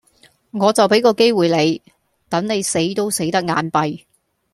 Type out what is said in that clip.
我就畀個機會你，等你死都死得眼閉